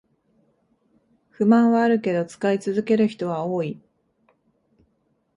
不満はあるけど使い続ける人は多い